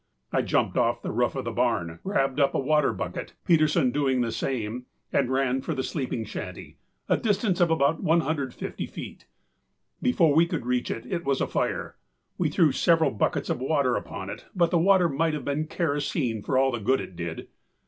I jumped off the roof of the barn, grabbed up a water bucket, Peterson doing the same, and ran for the sleeping shanty, a distance of about 150 feet. Before we could reach it, it was afire. We threw several buckets of water upon it, but the water might have been kerosene for all the good it did.